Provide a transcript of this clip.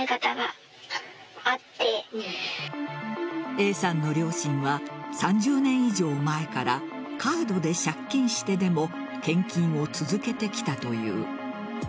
Ａさんの両親は３０年以上前からカードで借金してでも献金を続けてきたという。